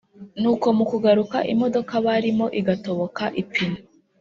nuko mukugaruka imodoka barimo igatoboka ipine